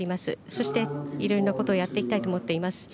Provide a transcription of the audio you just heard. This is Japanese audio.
そして、いろいろなことをやってきたいと思っています。